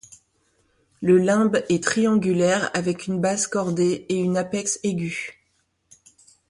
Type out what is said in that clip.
Le limbe est triangulaire, avec une base cordée et une apex aigu.